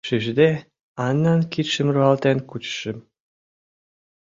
Шижде, Аннан кидшым руалтен кучышым.